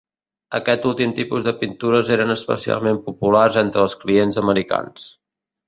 Aquest últim tipus de pintures eren especialment populars entre els clients americans.